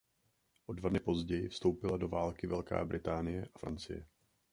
O dva dny později vstoupila do války Velká Británie a Francie.